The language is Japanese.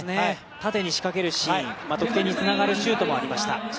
縦に仕掛けるシーン得点につながるシュートもありました。